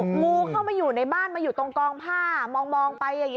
งูเข้ามาอยู่ในบ้านมาอยู่ตรงกองผ้ามองไปอย่างนี้